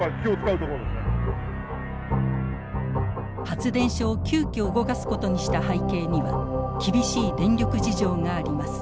発電所を急きょ動かすことにした背景には厳しい電力事情があります。